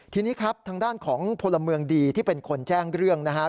ทีนี้ครับทางด้านของพลเมืองดีที่เป็นคนแจ้งเรื่องนะครับ